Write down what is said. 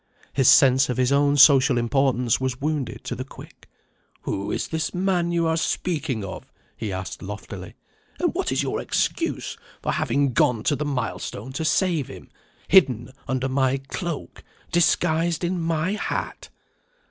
His sense of his own social importance was wounded to the quick. "Who is the man you are speaking of?" he asked loftily. "And what is your excuse for having gone to the milestone to save him hidden under my cloak, disguised in my hat?"